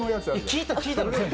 聞いた、聞いたのよ